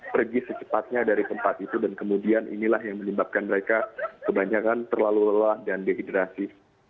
pergi secepatnya dari tempat itu dan kemudian inilah yang menyebabkan mereka kebanyakan terlalu lelah dan dehidrasi